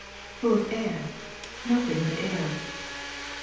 Full of air, nothing but air.